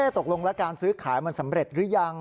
ตกลงแล้วการซื้อขายมันสำเร็จหรือยัง